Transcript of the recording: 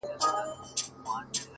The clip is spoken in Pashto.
سترگي دي ژوند نه اخلي مرگ اخلي اوس!